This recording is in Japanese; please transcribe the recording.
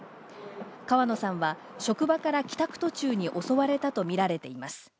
川野さんは職場から帰宅途中に襲われたとみられています。